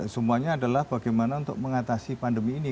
semuanya adalah bagaimana untuk mengatasi pandemi ini